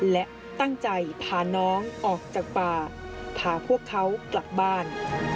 และตั้งใจพาน้องออกจากป่าพาพวกเขากลับบ้าน